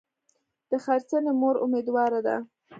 د غرڅنۍ مور امیدواره ده.